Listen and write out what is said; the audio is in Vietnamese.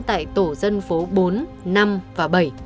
tại tổ dân phố bốn năm và bảy